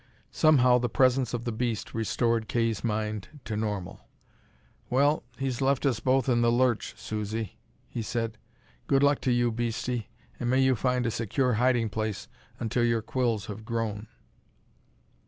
Somehow the presence of the beast restored Kay's mind to normal. "Well, he's left us both in the lurch, Susie," he said. "Good luck to you, beastie, and may you find a secure hiding place until your quills have grown."